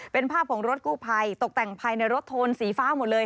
เป็นภาพของรถกู้ภัยตกแต่งภายในรถโทนสีฟ้าหมดเลย